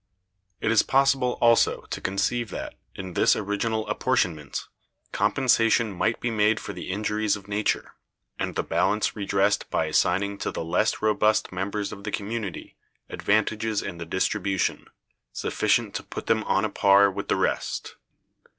It is possible also to conceive that, in this original apportionment, compensation might be made for the injuries of nature, and the balance redressed by assigning to the less robust members of the community advantages in the distribution, sufficient to put them on a par with the rest.